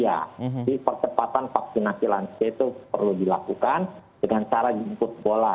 jadi percepatan vaksinasi lansia itu perlu dilakukan dengan cara jemput bola